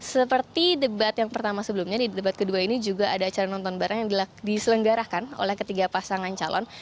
seperti debat yang pertama sebelumnya di debat kedua ini juga ada acara nonton bareng yang diselenggarakan oleh ketiga pasangan calon